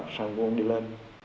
và sang quân đi lên